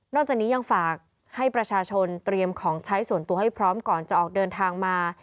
จากนี้ยังฝากให้ประชาชนเตรียมของใช้ส่วนตัวให้พร้อมก่อนจะออกเดินทางมา